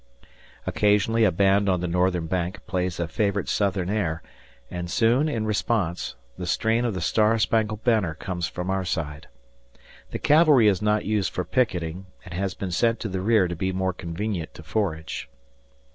Occasionally a band on the Northern bank plays a favorite Southern air and soon, in response, the strain of the Star Spangled Banner comes from our side. The cavalry is not used for picketing and has been sent to the rear to be more convenient to forage.